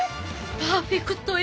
パーフェクトや。